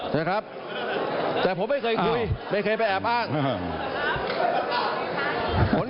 แต่ผมไม่เคยคุยไม่เคยไปแอบอ้าง